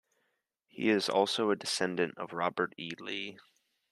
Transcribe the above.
He is also a descendant of Robert E. Lee.